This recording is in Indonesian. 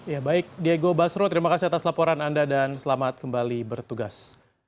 ya baik diego basro terima kasih atas laporan anda dan selamat kembali bertugas